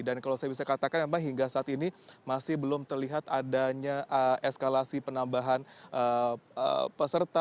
dan kalau saya bisa katakan memang hingga saat ini masih belum terlihat adanya eskalasi penambahan peserta